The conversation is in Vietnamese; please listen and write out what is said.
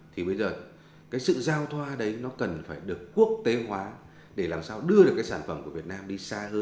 thì bây giờ cái sự giao thoa đấy nó cần phải được quốc tế hóa để làm sao đưa được cái sản phẩm của việt nam đi xa hơn